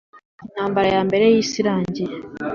intambara ya mbere y'isi irangiye.